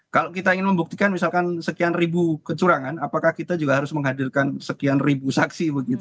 kalau kita ingin membuktikan misalkan sekian ribu kecurangan apakah kita juga harus menghadirkan sekian ribu saksi